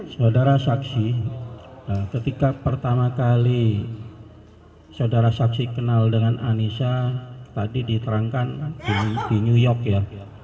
saudara saksi ketika pertama kali saudara saksi kenal dengan anissa tadi diterangkan di new york ya